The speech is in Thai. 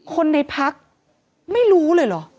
คนในพักไม่รู้เลยเหรอ